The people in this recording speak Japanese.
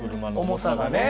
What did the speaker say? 重さがね。